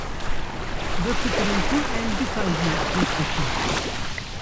Bifikirin ku em dîsa jî têk diçin.